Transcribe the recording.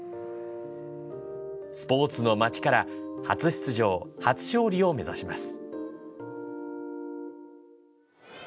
スポーツの町から初出場、初勝利を目指します。